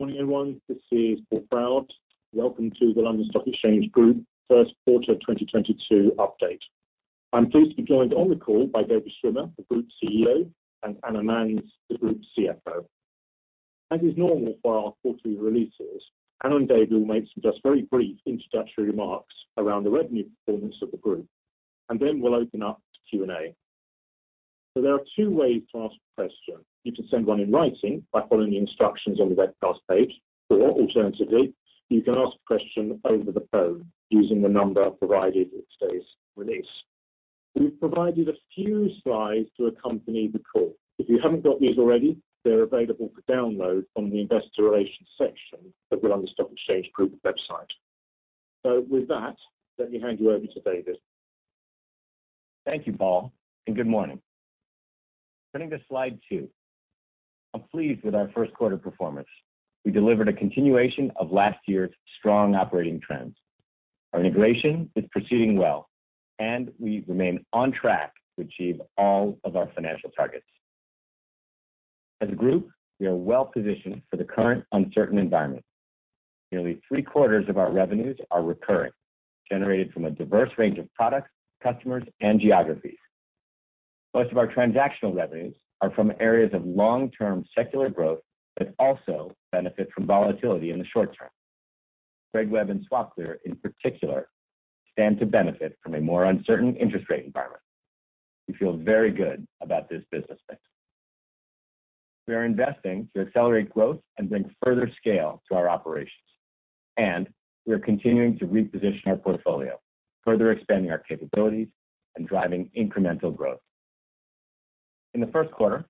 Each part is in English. Morning, everyone. This is Paul Froud. Welcome to the London Stock Exchange Group first quarter of 2022 update. I'm pleased to be joined on the call by David Schwimmer, the Group CEO, and Anna Manz, the Group CFO. As is normal for our quarterly releases, Anna and David will make some just very brief introductory remarks around the revenue performance of the group, and then we'll open up to Q&A. There are two ways to ask a question. You can send one in writing by following the instructions on the webcast page, or alternatively, you can ask a question over the phone using the number provided in today's release. We've provided a few slides to accompany the call. If you haven't got these already, they're available for download from the investor relations section of the London Stock Exchange Group website. With that, let me hand you over to David. Thank you, Paul, and good morning. Turning to slide two. I'm pleased with our first quarter performance. We delivered a continuation of last year's strong operating trends. Our integration is proceeding well, and we remain on track to achieve all of our financial targets. As a group, we are well-positioned for the current uncertain environment. Nearly three-quarters of our revenues are recurring, generated from a diverse range of products, customers, and geographies. Most of our transactional revenues are from areas of long-term secular growth that also benefit from volatility in the short term. Tradeweb and SwapClear, in particular, stand to benefit from a more uncertain interest rate environment. We feel very good about this business mix. We are investing to accelerate growth and bring further scale to our operations, and we are continuing to reposition our portfolio, further expanding our capabilities and driving incremental growth. In the first quarter,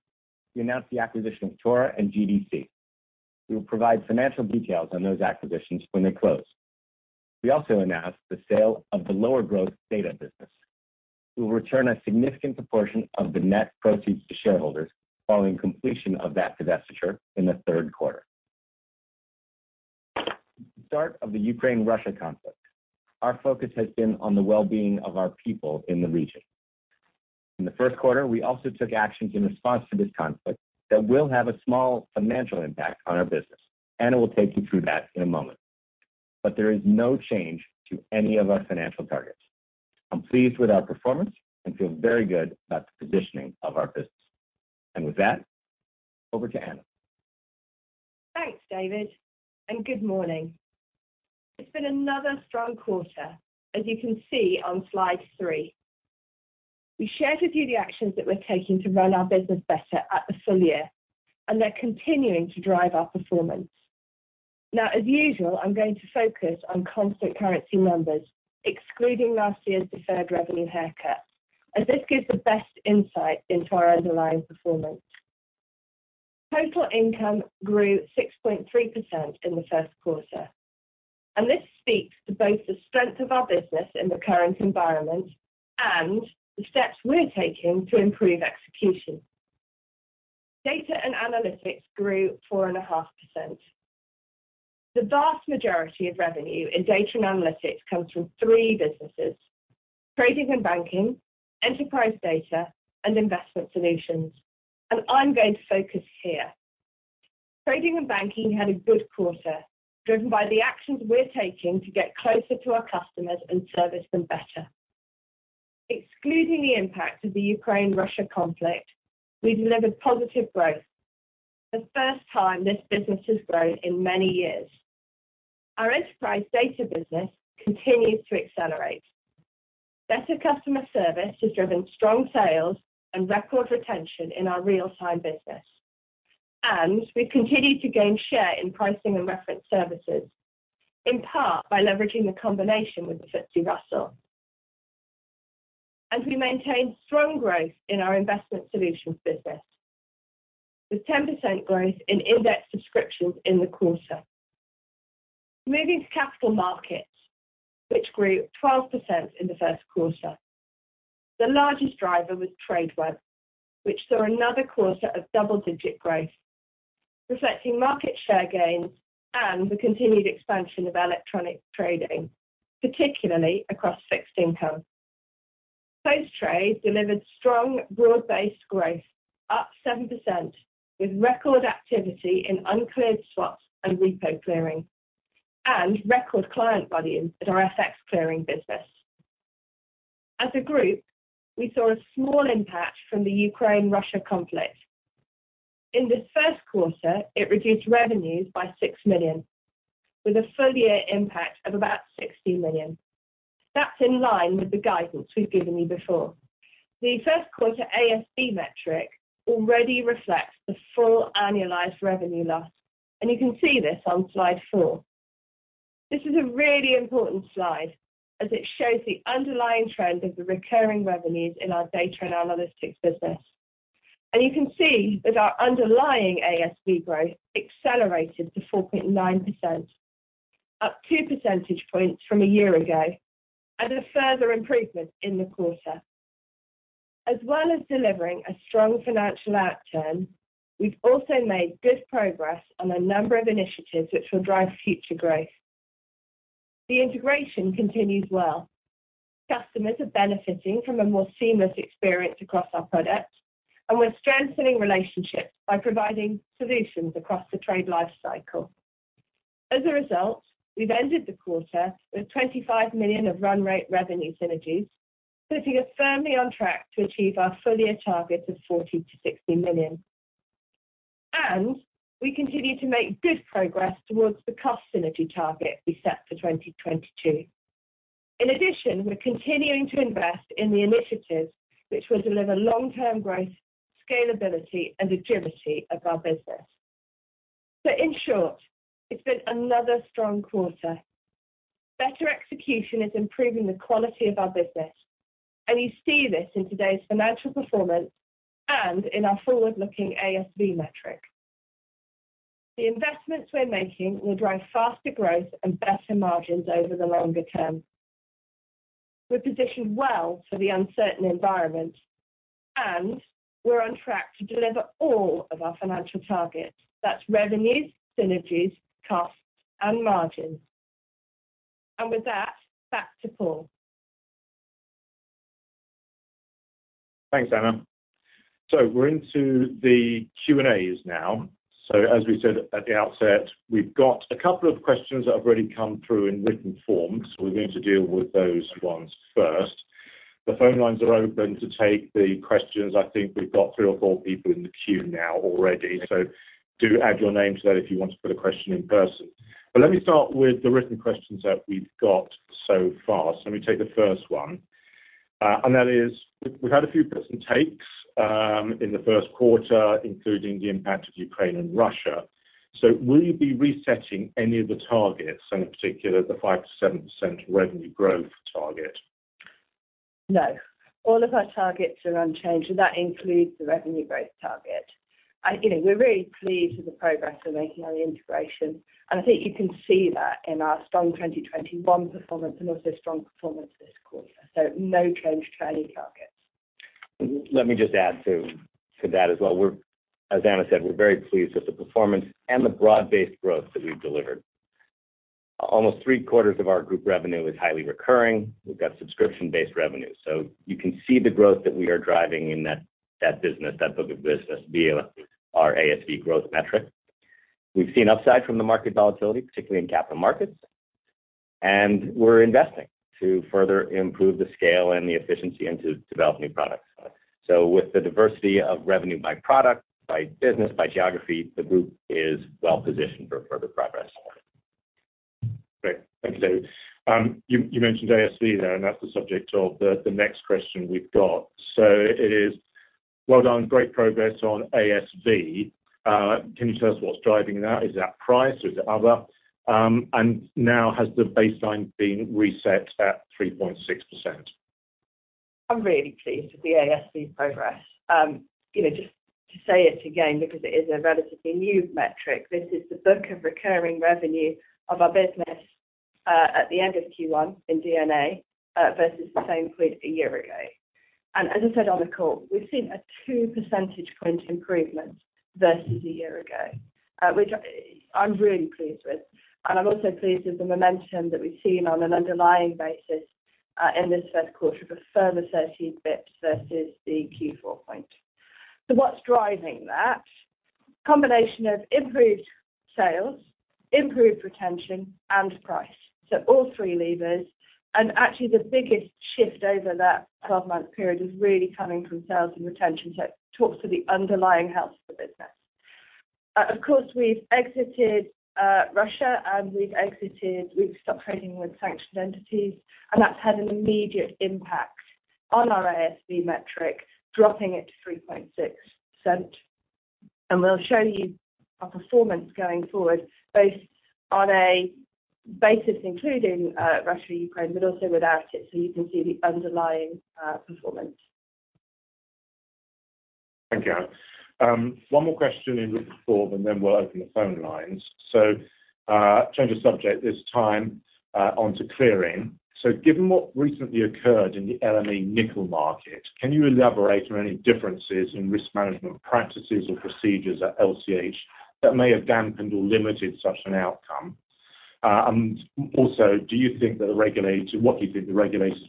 we announced the acquisition of TORA and GDC. We will provide financial details on those acquisitions when they close. We also announced the sale of the lower growth data business. We will return a significant proportion of the net proceeds to shareholders following completion of that divestiture in the third quarter. Since the start of the Ukraine-Russia conflict, our focus has been on the well-being of our people in the region. In the first quarter, we also took actions in response to this conflict that will have a small financial impact on our business. Anna will take you through that in a moment. There is no change to any of our financial targets. I'm pleased with our performance and feel very good about the positioning of our business. With that, over to Anna. Thanks, David, and good morning. It's been another strong quarter, as you can see on slide three. We shared with you the actions that we're taking to run our business better at the full year, and they're continuing to drive our performance. Now, as usual, I'm going to focus on constant currency numbers, excluding last year's deferred revenue haircut, as this gives the best insight into our underlying performance. Total income grew 6.3% in the first quarter, and this speaks to both the strength of our business in the current environment and the steps we're taking to improve execution. Data and Analytics grew 4.5%. The vast majority of revenue in Data and Analytics comes from three businesses: Trading and Banking, Enterprise Data, and Investment Solutions. I'm going to focus here. Trading and Banking had a good quarter, driven by the actions we're taking to get closer to our customers and service them better. Excluding the impact of the Ukraine-Russia conflict, we delivered positive growth. The first time this business has grown in many years. Our Enterprise Data business continues to accelerate. Better customer service has driven strong sales and record retention in our real-time business. We've continued to gain share in pricing and reference services, in part by leveraging the combination with FTSE Russell. As we maintain strong growth in our Investment Solutions business, with 10% growth in index subscriptions in the quarter. Moving to Capital Markets, which grew 12% in the first quarter. The largest driver was Tradeweb, which saw another quarter of double-digit growth, reflecting market share gains and the continued expansion of electronic trading, particularly across fixed income. Post Trade delivered strong broad-based growth, up 7%, with record activity in uncleared swaps and repo clearing, and record client volumes at our FX clearing business. As a group, we saw a small impact from the Ukraine-Russia conflict. In this first quarter, it reduced revenues by 6 million, with a full year impact of about 60 million. That's in line with the guidance we've given you before. The first quarter ASV metric already reflects the full annualized revenue loss, and you can see this on slide four. This is a really important slide as it shows the underlying trend of the recurring revenues in our Data and Analytics business. You can see that our underlying ASV growth accelerated to 4.9%, up two percentage points from a year ago, and a further improvement in the quarter. As well as delivering a strong financial outturn, we've also made good progress on a number of initiatives which will drive future growth. The integration continues well. Customers are benefiting from a more seamless experience across our products, and we're strengthening relationships by providing solutions across the trade life cycle. As a result, we've ended the quarter with 25 million of run rate revenue synergies, putting us firmly on track to achieve our full year target of 40 million-60 million. We continue to make good progress towards the cost synergy target we set for 2022. In addition, we're continuing to invest in the initiatives which will deliver long-term growth, scalability, and agility of our business. In short, it's been another strong quarter. Better execution is improving the quality of our business, and you see this in today's financial performance and in our forward-looking ASV metric. The investments we're making will drive faster growth and better margins over the longer term. We're positioned well for the uncertain environment, and we're on track to deliver all of our financial targets. That's revenues, synergies, costs, and margins. With that, back to Paul. Thanks, Anna. We're into the Q&As now. As we said at the outset, we've got a couple of questions that have already come through in written form. We're going to deal with those ones first. The phone lines are open to take the questions. I think we've got three or four people in the queue now already. Do add your name to that if you want to put a question in person. Let me start with the written questions that we've got so far. Let me take the first one. That is, we've had a few twists and takes in the first quarter, including the impact of Ukraine and Russia. Will you be resetting any of the targets, and in particular, the 5%-7% revenue growth target? No, all of our targets are unchanged, and that includes the revenue growth target. You know, we're really pleased with the progress we're making on the integration, and I think you can see that in our strong 2021 performance and also strong performance this quarter. No change to any targets. Let me just add to that as well. We're, as Anna said, very pleased with the performance and the broad-based growth that we've delivered. Almost three-quarters of our group revenue is highly recurring. We've got subscription-based revenue. You can see the growth that we are driving in that business, that book of business via our ASV growth metric. We've seen upside from the market volatility, particularly in Capital Markets, and we're investing to further improve the scale and the efficiency and to develop new products. With the diversity of revenue by product, by business, by geography, the group is well-positioned for further progress. Great. Thank you, David. You mentioned ASV there, and that's the subject of the next question we've got. It is well done. Great progress on ASV. Can you tell us what's driving that? Is that price? Is it other? Now, has the baseline been reset at 3.6%? I'm really pleased with the ASV progress. You know, just to say it again, because it is a relatively new metric. This is the book of recurring revenue of our business at the end of Q1 in DNA versus the same point a year ago. As I said on the call, we've seen a two percentage point improvement versus a year ago, which I'm really pleased with. I'm also pleased with the momentum that we've seen on an underlying basis in this first quarter, a 4 percentage point versus the Q4 point. What's driving that? Combination of improved sales, improved retention, and price. All three levers. Actually, the biggest shift over that twelve-month period is really coming from sales and retention. It talks to the underlying health of the business. Of course, we've exited Russia, and we've stopped trading with sanctioned entities, and that's had an immediate impact on our ASV metric, dropping it to 3.6%. We'll show you our performance going forward, both on a basis including Russia, Ukraine, but also without it, so you can see the underlying performance. Thank you. One more question in written form, and then we'll open the phone lines. Change of subject this time, onto clearing. Given what recently occurred in the LME nickel market, can you elaborate on any differences in risk management practices or procedures at LCH that may have dampened or limited such an outcome? And also, what do you think the regulators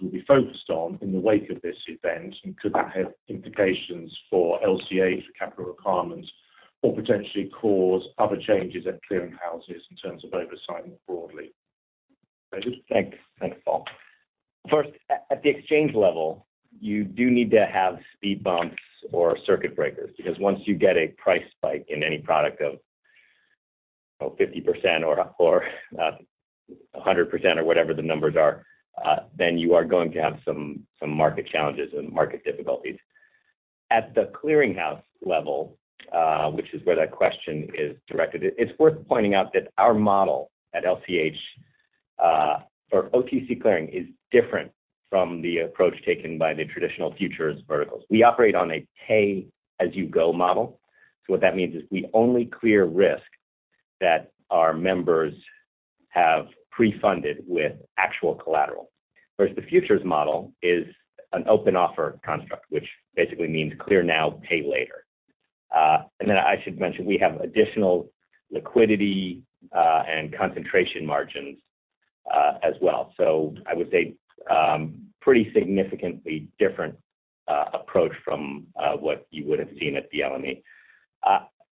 will be focused on in the wake of this event? And could that have implications for LCH, for capital requirements or potentially cause other changes at clearing houses in terms of oversight more broadly? David. Thanks. Thanks, Paul. First, at the exchange level, you do need to have speed bumps or circuit breakers, because once you get a price spike in any product of 50% or 100% or whatever the numbers are, then you are going to have some market challenges and market difficulties. At the clearing house level, which is where that question is directed, it's worth pointing out that our model at LCH or OTC clearing is different from the approach taken by the traditional futures verticals. We operate on a pay-as-you-go model. So what that means is we only clear risk that our members have pre-funded with actual collateral. Whereas the futures model is an open offer construct, which basically means clear now, pay later. I should mention we have additional liquidity and concentration margins as well. I would say pretty significantly different approach from what you would have seen at the LME.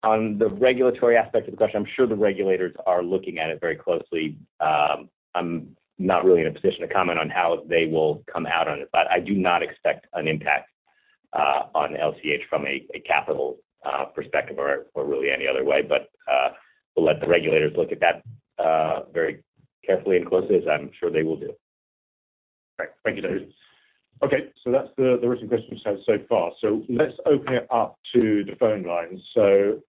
On the regulatory aspect of the question, I'm sure the regulators are looking at it very closely. I'm not really in a position to comment on how they will come out on it, but I do not expect an impact on LCH from a capital perspective or really any other way. We'll let the regulators look at that very carefully and closely, as I'm sure they will do. All right. Thank you. Okay. That's the written questions we have so far. Let's open it up to the phone lines.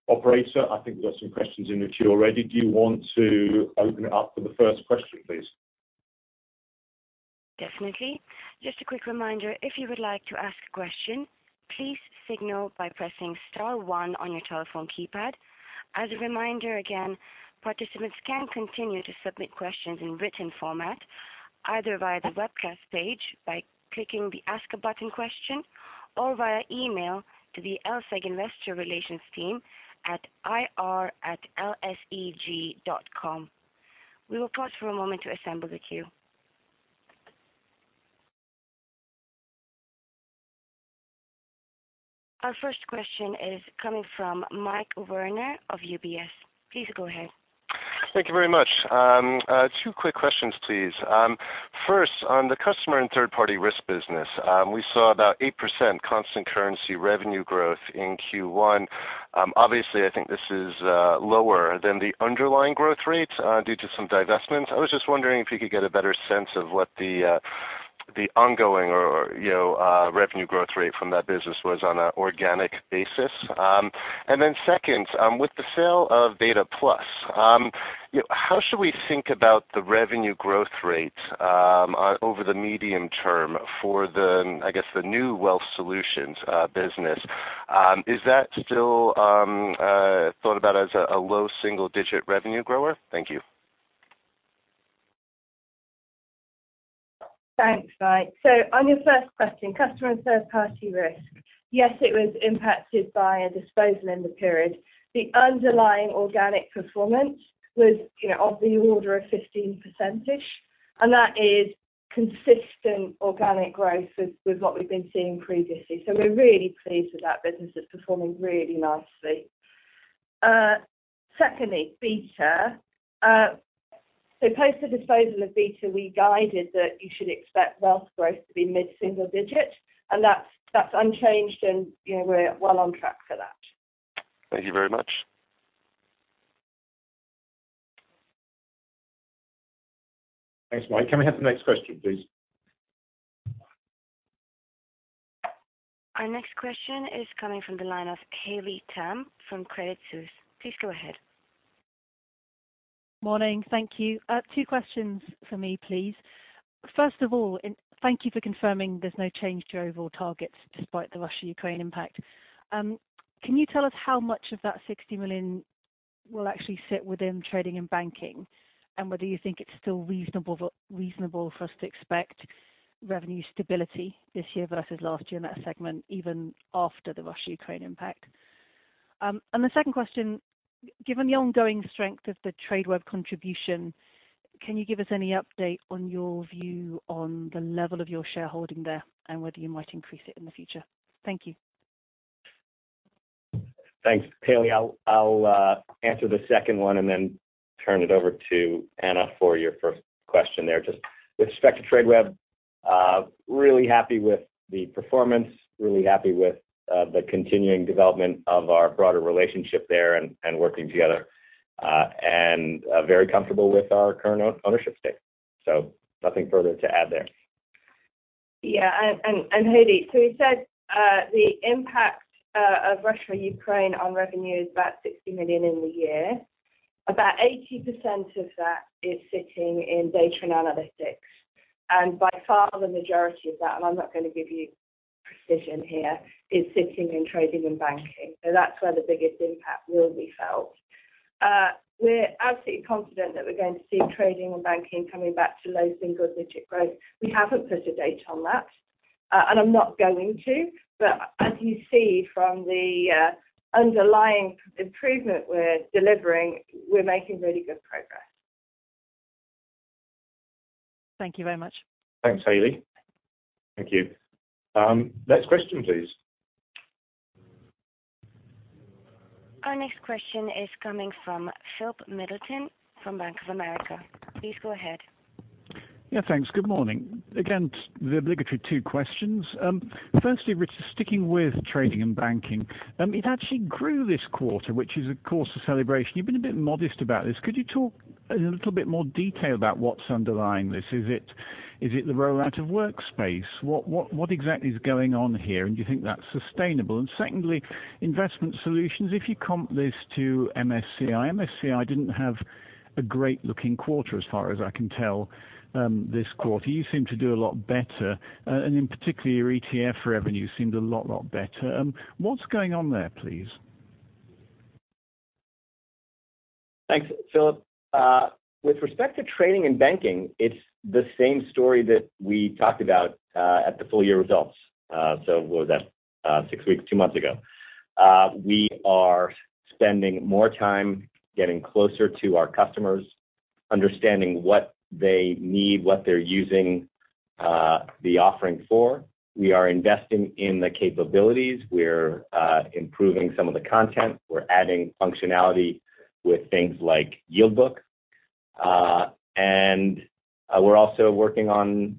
Operator, I think we've got some questions in the queue already. Do you want to open it up for the first question, please? Definitely. Just a quick reminder, if you would like to ask a question, please signal by pressing star one on your telephone keypad. As a reminder, again, participants can continue to submit questions in written format either via the webcast page by clicking the 'Ask a Question' button or via email to the LSEG investor relations team at ir@lseg.com. We will pause for a moment to assemble the queue. Our first question is coming from Mike Werner of UBS. Please go ahead. Thank you very much. Two quick questions, please. First, on the Customer and Third-Party Risk business, we saw about 8% constant currency revenue growth in Q1. Obviously, I think this is lower than the underlying growth rates due to some divestments. I was just wondering if you could get a better sense of what the ongoing or you know revenue growth rate from that business was on an organic basis. Then second, with the sale of BETA+, you know, how should we think about the revenue growth rate over the medium term for the, I guess, new Wealth Solutions business? Is that still thought about as a low single-digit revenue grower? Thank you. Thanks, Mike. On your first question, Customer and Third-Party Risk. Yes, it was impacted by a disposal in the period. The underlying organic performance was, you know, of the order of 15%, and that is consistent organic growth with what we've been seeing previously. We're really pleased with that business. It's performing really nicely. Secondly, BETA+. Post the disposal of BETA+, we guided that you should expect wealth growth to be mid-single-digit, and that's unchanged, and, you know, we're well on track for that. Thank you very much. Thanks, Mike. Can we have the next question, please? Our next question is coming from the line of Haley Tam from Credit Suisse. Please go ahead. Morning. Thank you. Two questions for me, please. First of all, thank you for confirming there's no change to your overall targets despite the Russia-Ukraine impact. Can you tell us how much of that 60 million will actually sit within Trading and Banking? And whether you think it's still reasonable for us to expect revenue stability this year versus last year in that segment, even after the Russia-Ukraine impact? And the second question, given the ongoing strength of the Tradeweb contribution, can you give us any update on your view on the level of your shareholding there and whether you might increase it in the future? Thank you. Thanks, Haley. I'll answer the second one and then turn it over to Anna for your first question there. Just with respect to Tradeweb, really happy with the performance, really happy with the continuing development of our broader relationship there and working together, and very comfortable with our current ownership stake. Nothing further to add there. Yeah. Haley, we said the impact of Russia-Ukraine on revenue is about 60 million in the year. About 80% of that is sitting in Data and Analytics. By far the majority of that, and I'm not gonna give you precision here, is sitting in Trading and Banking. That's where the biggest impact will be felt. We're absolutely confident that we're going to see Trading and Banking coming back to low single-digit growth. We haven't put a date on that, and I'm not going to. As you see from the underlying improvement we're delivering, we're making really good progress. Thank you very much. Thanks, Haley. Thank you. Next question, please. Our next question is coming from Philip Middleton from Bank of America. Please go ahead. Yeah, thanks. Good morning. Again, the obligatory two questions. Firstly, David Schwimmer, sticking with Trading and Banking, it actually grew this quarter, which is of course a celebration. You've been a bit modest about this. Could you talk in a little bit more detail about what's underlying this? Is it the rollout of Workspace? What exactly is going on here? And do you think that's sustainable? And secondly, Investment Solutions. If you comp this to MSCI didn't have a great looking quarter as far as I can tell, this quarter. You seem to do a lot better, and in particular, your ETF revenue seemed a lot better. What's going on there, please? Thanks, Philip. With respect to Trading and Banking, it's the same story that we talked about at the full year results. What was that? Six weeks, two months ago. We are spending more time getting closer to our customers, understanding what they need, what they're using the offering for. We are investing in the capabilities. We're improving some of the content. We're adding functionality with things like Yield Book. We're also working on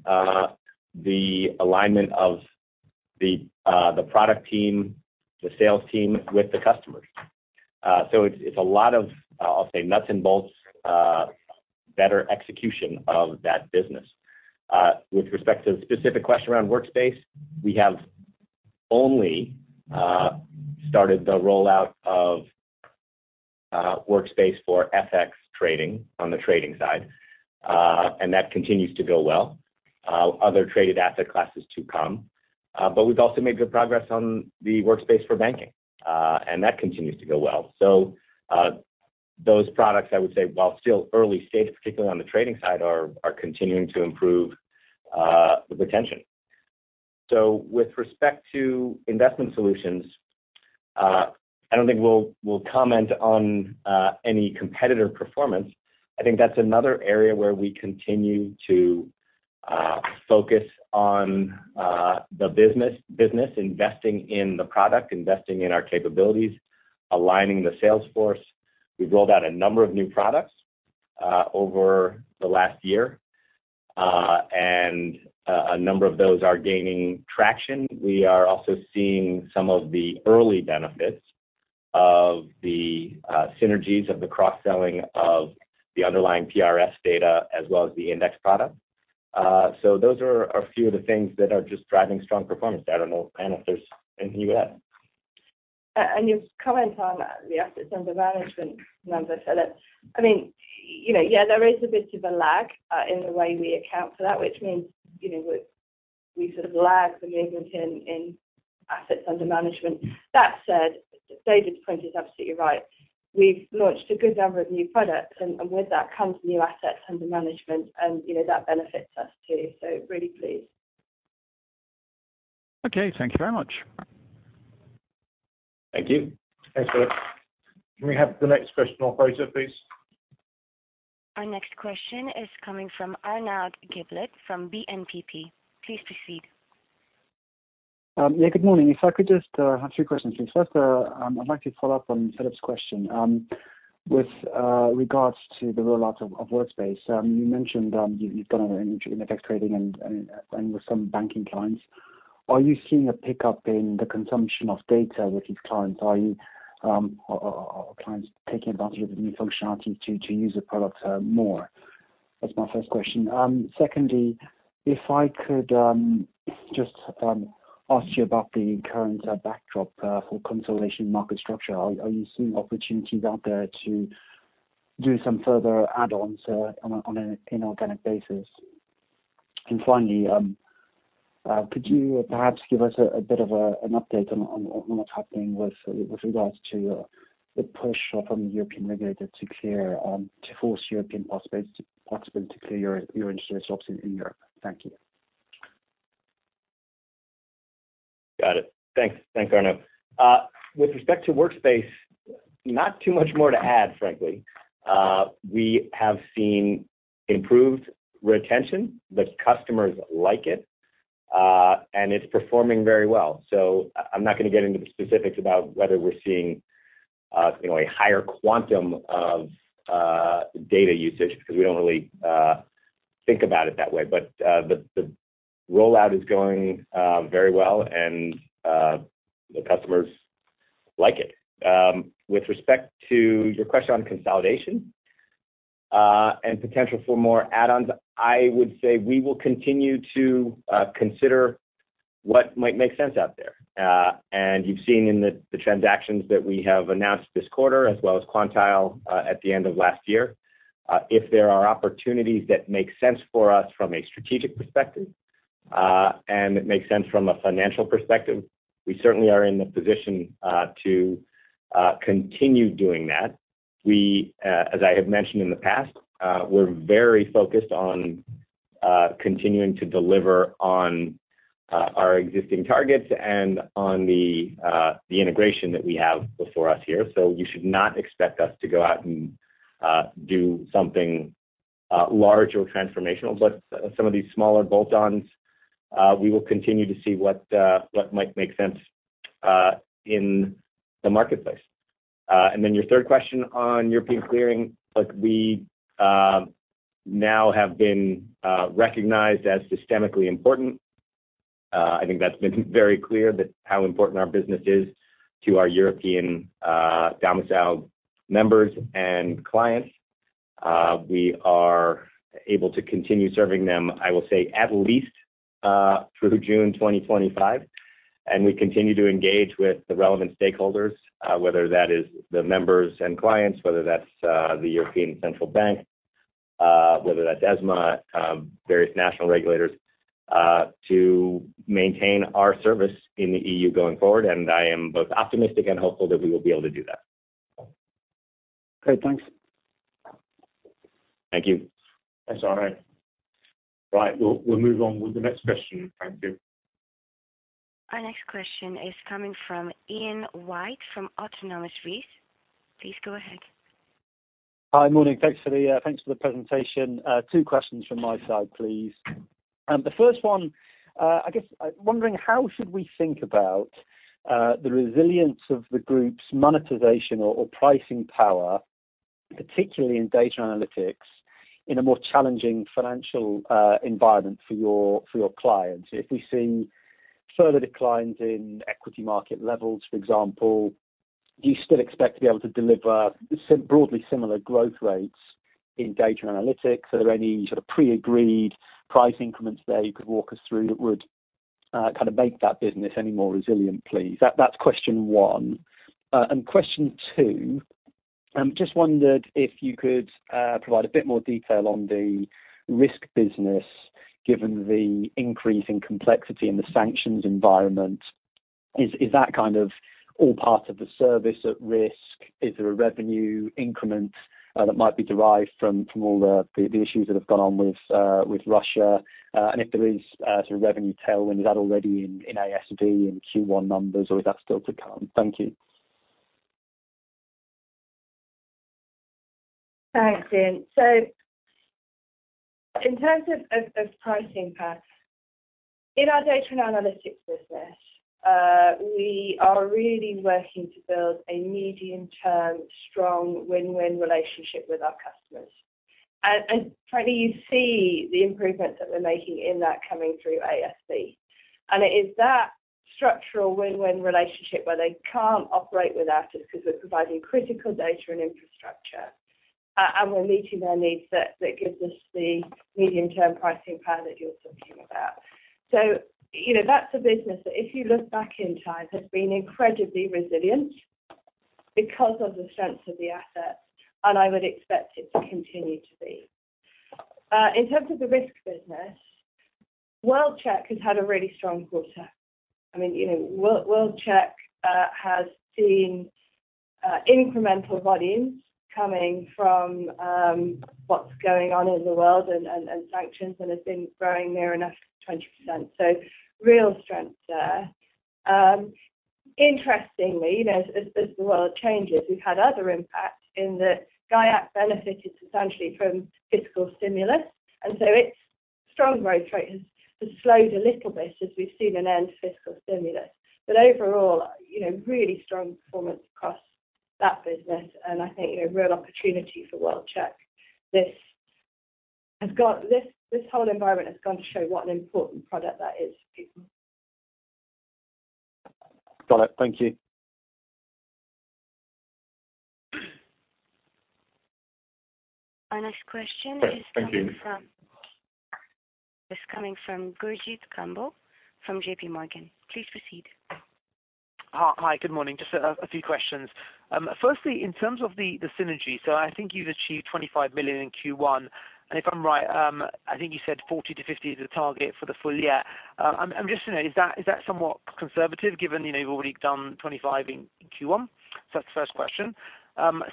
the alignment of the product team, the sales team with the customers. It's a lot of, I'll say, nuts and bolts better execution of that business. With respect to the specific question around Workspace, we have only started the rollout of Workspace for FX trading on the trading side, and that continues to go well. Other traded asset classes to come. We've also made good progress on the Workspace for banking, and that continues to go well. Those products, I would say, while still early stage, particularly on the trading side, are continuing to improve the retention. With respect to Investment Solutions, I don't think we'll comment on any competitor performance. I think that's another area where we continue to focus on the business, investing in the product, investing in our capabilities, aligning the sales force. We've rolled out a number of new products over the last year, and a number of those are gaining traction. We are also seeing some of the early benefits of the synergies of the cross-selling of the underlying PRS data as well as the index product. Those are a few of the things that are just driving strong performance. I don't know, Anna, if there's anything you add? You comment on the assets under management numbers, Philip. I mean, you know, yeah, there is a bit of a lag in the way we account for that, which means, you know, we sort of lag the movement in assets under management. That said, David's point is absolutely right. We've launched a good number of new products, and with that comes new assets under management, and you know, that benefits us too. Really pleased. Okay. Thank you very much. Thank you. Thanks, Philip. Can we have the next question, operator, please? Our next question is coming from Arnaud Giblat from BNP. Please proceed. Yeah, good morning. If I could just have three questions, please. First, I'd like to follow up on Philip's question. With regards to the rollout of Workspace, you mentioned you've done an entry in FX trading and with some banking clients. Are you seeing a pickup in the consumption of data with these clients? Are you or are clients taking advantage of the new functionality to use the products more? That's my first question. Secondly, if I could just ask you about the current backdrop for consolidation market structure. Are you seeing opportunities out there to do some further add-ons on an inorganic basis? Finally, could you perhaps give us a bit of an update on what's happening with regards to the push from the European regulator to force European participants to clear your interest rates options in Europe? Thank you. Got it. Thanks. Thanks, Arnaud. With respect to Workspace, not too much more to add, frankly. We have seen improved retention. The customers like it, and it's performing very well. I'm not gonna get into the specifics about whether we're seeing, you know, a higher quantum of data usage because we don't really think about it that way. The rollout is going very well, and the customers like it. With respect to your question on consolidation and potential for more add-ons, I would say we will continue to consider what might make sense out there. You've seen in the transactions that we have announced this quarter as well as Quantile at the end of last year, if there are opportunities that make sense for us from a strategic perspective, and it makes sense from a financial perspective, we certainly are in the position to continue doing that. We, as I have mentioned in the past, we're very focused on continuing to deliver on our existing targets and on the integration that we have before us here. You should not expect us to go out and do something large or transformational. Some of these smaller bolt-ons, we will continue to see what might make sense in the marketplace. Your third question on European clearing. Look, we now have been recognized as systemically important. I think that's been very clear that how important our business is to our European domiciled members and clients. We are able to continue serving them, I will say, at least, through June 2025, and we continue to engage with the relevant stakeholders, whether that is the members and clients, whether that's the European Central Bank. Whether that's ESMA, various national regulators, to maintain our service in the EU going forward. I am both optimistic and hopeful that we will be able to do that. Great. Thanks. Thank you. That's all right. Right. We'll move on with the next question. Thank you. Our next question is coming from Ian White from Autonomous Research. Please go ahead. Hi. Morning. Thanks for the presentation. Two questions from my side, please. The first one, I guess I'm wondering how should we think about the resilience of the group's monetization or pricing power, particularly in data analytics, in a more challenging financial environment for your clients? If we've seen further declines in equity market levels, for example, do you still expect to be able to deliver broadly similar growth rates in data analytics? Are there any sort of pre-agreed price increments there you could walk us through that would kind of make that business any more resilient, please? That's question one. Question two, just wondered if you could provide a bit more detail on the risk business, given the increase in complexity in the sanctions environment. Is that kind of all part of the service at risk? Is there a revenue increment that might be derived from all the issues that have gone on with Russia? If there is sort of revenue tailwind, is that already in ASV in Q1 numbers, or is that still to come? Thank you. Thanks, Ian. In terms of pricing power, in our Data and Analytics business, we are really working to build a medium-term, strong win-win relationship with our customers. Frankly, you see the improvements that we're making in that coming through ASV. It is that structural win-win relationship where they can't operate without us because we're providing critical data and infrastructure, and we're meeting their needs that gives us the medium-term pricing power that you're talking about. You know, that's a business that if you look back in time, has been incredibly resilient because of the strength of the assets, and I would expect it to continue to be. In terms of the risk business, World-Check has had a really strong quarter. I mean, you know, World-Check has seen incremental volumes coming from what's going on in the world and sanctions and has been growing near enough 20%. So real strength there. Interestingly, you know, as the world changes, we've had other impact in that GIACT benefited substantially from fiscal stimulus, and so its strong growth rate has slowed a little bit as we've seen an end to fiscal stimulus. But overall, you know, really strong performance across that business and I think, you know, real opportunity for World-Check. This whole environment has gone to show what an important product that is for people. Got it. Thank you. Our next question is coming from Thank you. Is coming from Gurjit Kambo from JPMorgan. Please proceed. Hi. Good morning. Just a few questions. Firstly, in terms of the synergy, I think you've achieved 25 million in Q1. If I'm right, I think you said 40 million-50 million is the target for the full year. I'm just wondering, is that somewhat conservative given, you know, you've already done 25 million in Q1? That's the first question.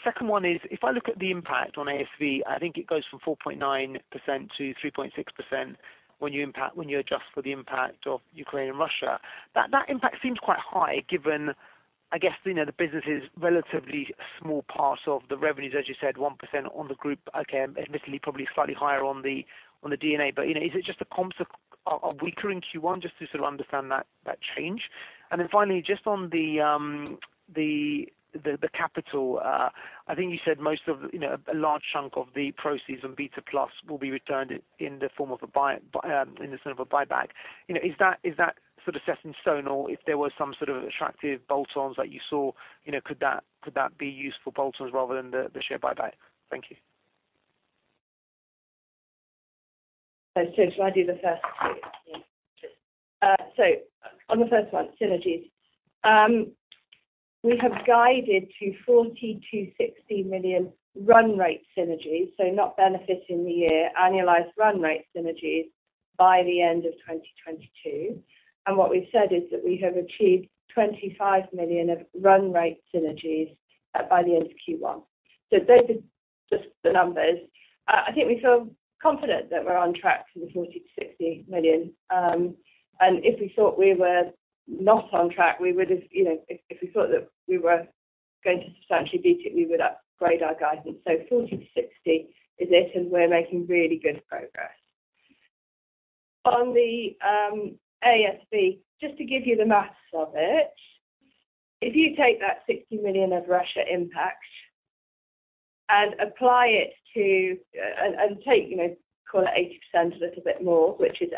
Second one is, if I look at the impact on ASV, I think it goes from 4.9% to 3.6% when you adjust for the impact of Ukraine and Russia. That impact seems quite high given, I guess, you know, the business is relatively small part of the revenues, as you said, 1% on the group. Okay, admittedly, probably slightly higher on the DNA, but you know, is it just a consequence of weaker in Q1 just to sort of understand that change? Then finally, just on the capital, I think you said most of, you know, a large chunk of the proceeds and BETA+ will be returned in the form of a buy-back. You know, is that sort of set in stone or if there was some sort of attractive bolt-ons that you saw, you know, could that be used for bolt-ons rather than the share buy-back? Thank you. Shall I do the first two? On the first one, synergies. We have guided to 40 million-60 million run rate synergies, not benefit in the year, annualized run rate synergies by the end of 2022. What we've said is that we have achieved 25 million of run rate synergies by the end of Q1. Those are just the numbers. I think we feel confident that we're on track for the 40 million-60 million. If we thought we were not on track, we would have, you know, if we thought that we were going to substantially beat it, we would upgrade our guidance. 40 million-60 million is it, and we're making really good progress. On the ASV, just to give you the math of it, if you take that 60 million of Russia impact and apply it to and take, you know, call it 80% a little bit more, which is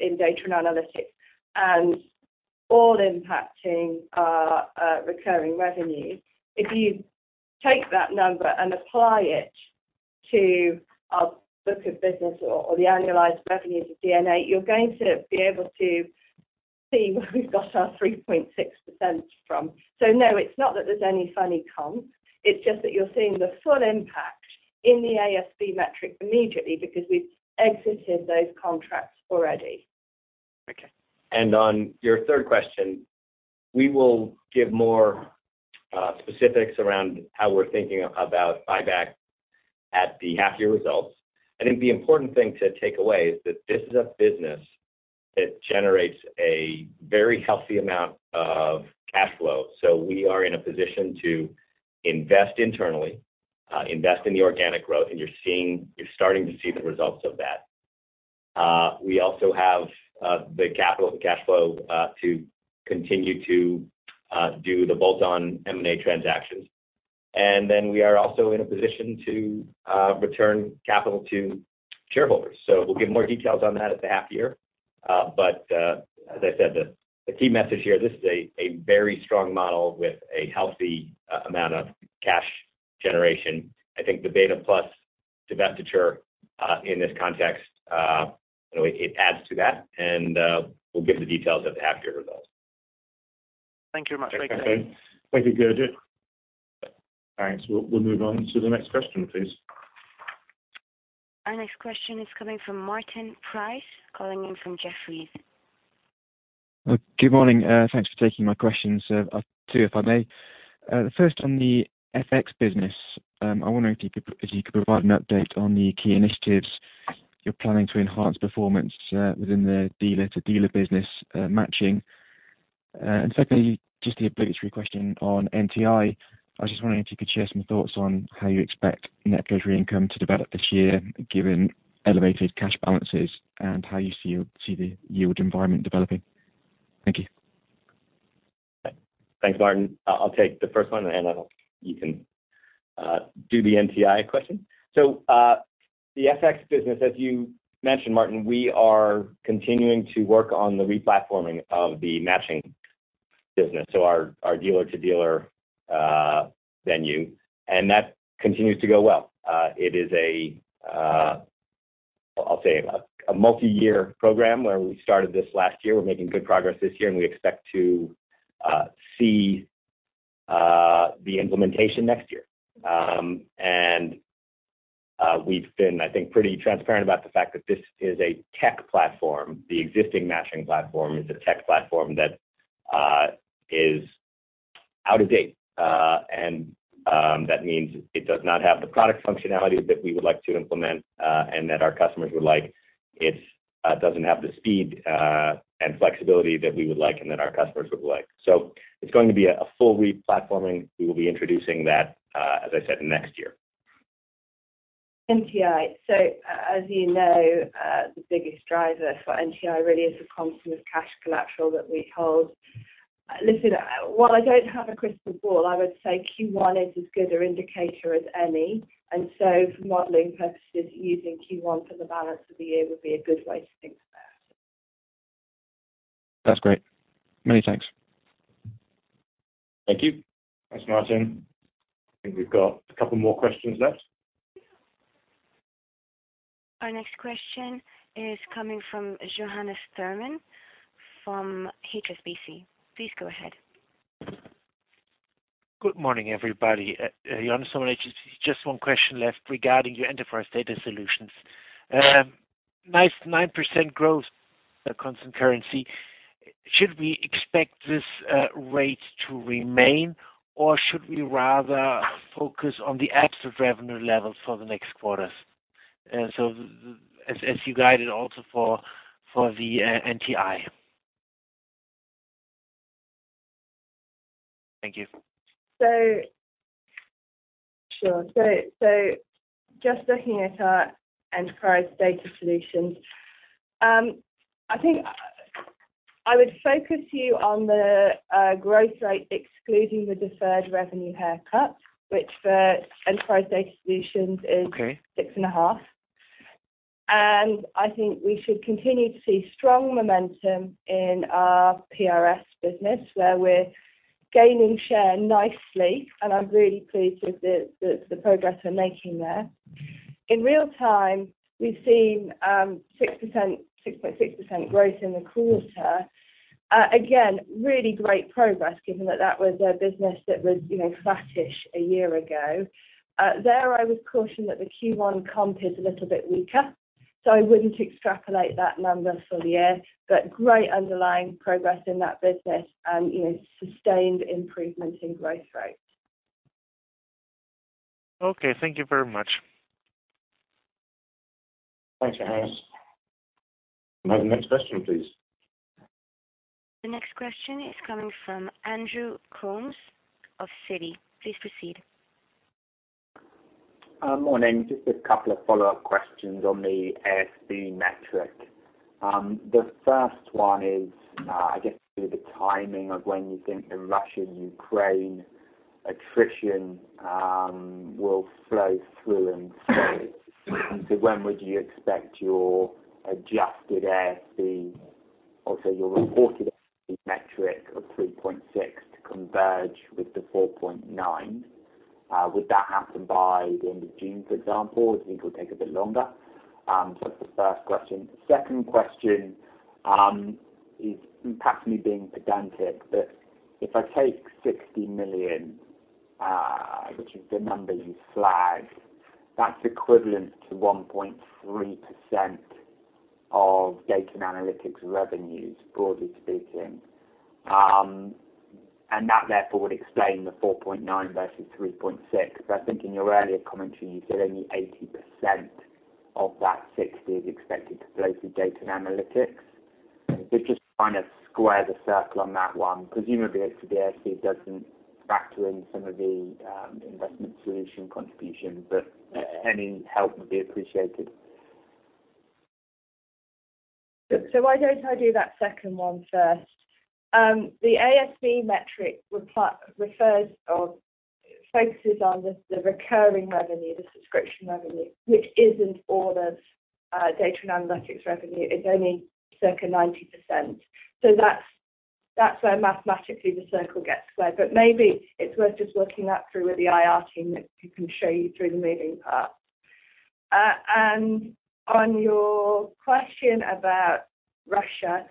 in data and analytics and all impacting our recurring revenue, if you take that number and apply it to our book of business or the annualized revenues of DNA, you're going to be able to see where we've got our 3.6% from. No, it's not that there's any funny comp. It's just that you're seeing the full impact in the ASV metric immediately because we've exited those contracts already. Okay. On your third question, we will give more specifics around how we're thinking about buyback at the half year results. I think the important thing to take away is that this is a business that generates a very healthy amount of cash flow. We are in a position to invest internally, invest in the organic growth, and you're starting to see the results of that. We also have the capital cash flow to continue to do the bolt-on M&A transactions. Then we are also in a position to return capital to shareholders. We'll give more details on that at the half year. As I said, the key message here, this is a very strong model with a healthy amount of cash generation. I think the BETA+ divestiture in this context, you know, it adds to that, and we'll give the details at the half year results. Thank you very much. Okay. Thank you, Gurjit. Thanks. We'll move on to the next question, please. Our next question is coming from Martin Price, calling in from Jefferies. Good morning. Thanks for taking my questions. I have two, if I may. The first on the FX business. I wonder if you could provide an update on the key initiatives you're planning to enhance performance within the dealer-to-dealer business matching. Secondly, just the obligatory question on NTI. I was just wondering if you could share some thoughts on how you expect net treasury income to develop this year, given elevated cash balances and how you see the yield environment developing. Thank you. Thanks, Martin. I'll take the first one, and I hope you can do the NTI question. The FX business, as you mentioned, Martin, we are continuing to work on the replatforming of the matching business, so our dealer-to-dealer venue, and that continues to go well. It is a multi-year program where we started this last year. We're making good progress this year, and we expect to see the implementation next year. We've been, I think, pretty transparent about the fact that this is a tech platform. The existing matching platform is a tech platform that is out of date. That means it does not have the product functionality that we would like to implement, and that our customers would like. It doesn't have the speed and flexibility that we would like and that our customers would like. It's going to be a full replatforming. We will be introducing that, as I said, next year. NTI. As you know, the biggest driver for NTI really is the cost of cash collateral that we hold. Listen, while I don't have a crystal ball, I would say Q1 is as good an indicator as any. For modeling purposes, using Q1 for the balance of the year would be a good way to think about it. That's great. Many thanks. Thank you. Thanks, Martin. I think we've got a couple more questions left. Our next question is coming from Johannes Thormann from HSBC. Please go ahead. Good morning, everybody. Johannes Thormann, HSBC. Just one question left regarding your Enterprise Data Solutions. Nice 9% growth, the constant currency. Should we expect this rate to remain, or should we rather focus on the absolute revenue levels for the next quarters? As you guided also for the NTI. Thank you. Just looking at our Enterprise Data Solutions, I think I would focus you on the growth rate excluding the deferred revenue haircut, which for Enterprise Data Solutions is. Okay. 6.5. I think we should continue to see strong momentum in our PRS business, where we're gaining share nicely, and I'm really pleased with the progress we're making there. In real time, we've seen 6%, 6.6% growth in the quarter. Again, really great progress, given that was a business that was, you know, flattish a year ago. There I would caution that the Q1 comp is a little bit weaker, so I wouldn't extrapolate that number for the year. Great underlying progress in that business and, you know, sustained improvement in growth rates. Okay, thank you very much. Thanks, Johannes. Next question, please. The next question is coming from Andrew Coombs of Citi. Please proceed. Morning. Just a couple of follow-up questions on the ASV metric. The first one is, I guess just the timing of when you think the Russia-Ukraine situation will flow through in full. When would you expect your adjusted ASV, also your reported ASV metric of 3.6 to converge with the 4.9? Would that happen by the end of June, for example? Do you think it will take a bit longer? That's the first question. Second question is perhaps me being pedantic, but if I take 60 million, which is the number you flagged, that's equivalent to 1.3% of Data and Analytics revenues, broadly speaking. And that therefore would explain the 4.9 versus 3.6. I think in your earlier commentary, you said only 80% of that 60 is expected to flow through Data and Analytics. If you could just try to square the circle on that one. Presumably, ASV doesn't factor in some of the Investment Solutions contribution, but any help would be appreciated. Why don't I do that second one first? The ASV metric refers or focuses on the recurring revenue, the subscription revenue, which isn't all of Data and Analytics revenue. It's only circa 90%. That's where mathematically the circle gets squared. Maybe it's worth just looking that through with the IR team that who can show you through the moving parts. On your question about Russia,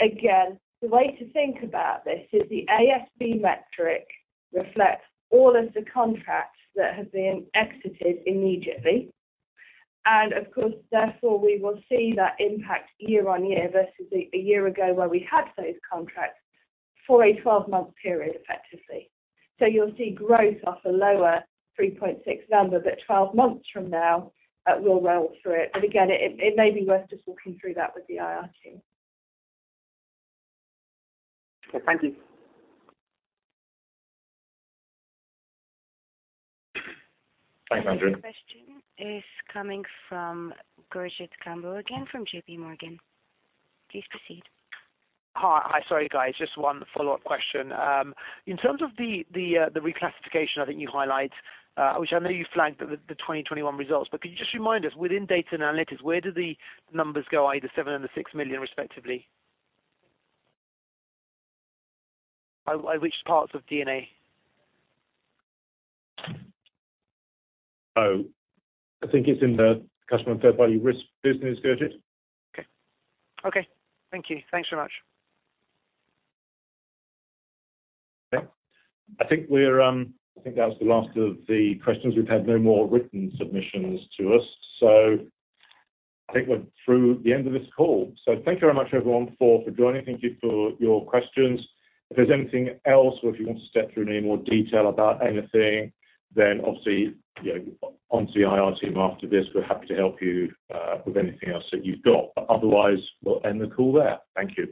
again, the way to think about this is the ASV metric reflects all of the contracts that have been exited immediately. Of course, therefore, we will see that impact year-over-year versus a year ago where we had those contracts for a 12-month period, effectively. You'll see growth off a lower 3.6 number, but 12 months from now, we'll roll through it. Again, it may be worth just walking through that with the IR team. Thank you. Thanks, Andrew. Next question is coming from Gurjit Kambo again from JPMorgan. Please proceed. Hi. Sorry, guys. Just one follow-up question. In terms of the reclassification, I think you highlight, which I know you flagged the 2021 results, but could you just remind us within Data and Analytics, where do the numbers go, either 7 million and the 6 million respectively? Which parts of DNA? Oh, I think it's in the Customer and Third-Party Risk business, Gurjit. Okay. Thank you. Thanks so much. Okay. I think that was the last of the questions. We've had no more written submissions to us, so I think we're through the end of this call. Thank you very much everyone for joining. Thank you for your questions. If there's anything else, or if you want to step through any more detail about anything, then obviously, you know, onto the IR team after this, we're happy to help you with anything else that you've got. Otherwise, we'll end the call there. Thank you.